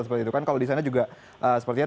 seperti itu kan kalau di sana juga sepertinya